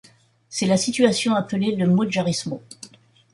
C’est la situation appelée le mudejarismo.